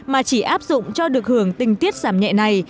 mà chỉ áp dụng cho được hưởng tình tiết giảm nhẹ này